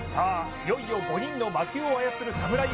いよいよ５人の魔球を操るサムライ